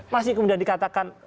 masih kemudian dikatakan